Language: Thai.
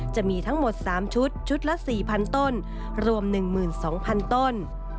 จะมีทั้งหมด๓ชุดชุดละ๔๐๐ต้นรวม๑๒๐๐๐ต้น